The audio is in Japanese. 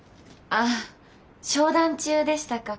ああ商談中でしたか。